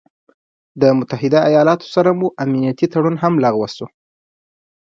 د متحده ايالاتو سره مو امنيتي تړون هم لغوه شو